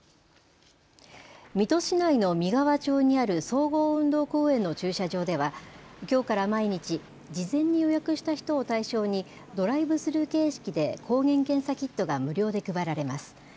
水戸市内の見川町にある総合運動公園の駐車場ではきょうから毎日、事前に予約した人を対象にドライブスルー形式で抗原検査キットが無料で配られます。